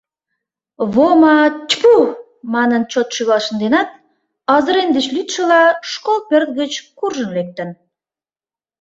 Вома, чпу! манын, чот шӱвал шынденат, азырен деч лӱдшыла, школ пӧрт гыч куржын лектын.